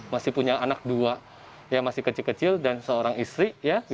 masih punya anak dua yang masih kecil kecil dan seorang istri ya